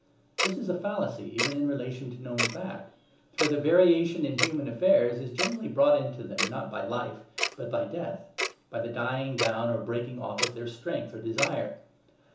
This is a fallacy even in relation to known fact. For the variation in human affairs is generally brought into them, not by life, but by death; by the dying down or breaking off of their strength or desire.